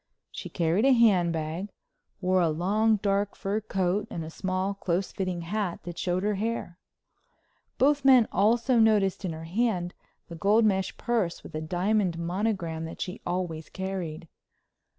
She carried a hand bag, wore a long dark fur coat and a small close fitting hat that showed her hair. Both men also noticed in her hand the gold mesh purse with a diamond monogram that she always carried.